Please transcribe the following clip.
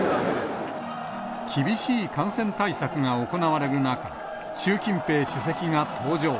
厳しい感染対策が行われる中、習近平主席が登場。